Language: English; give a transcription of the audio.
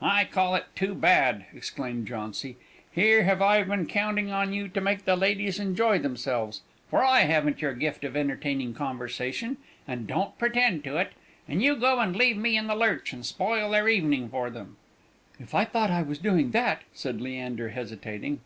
"I call it too bad!" exclaimed Jauncy. "Here have I been counting on you to make the ladies enjoy themselves for I haven't your gift of entertaining conversation, and don't pretend to it and you go and leave me in the lurch, and spoil their evening for them!" "If I thought I was doing that " said Leander, hesitating.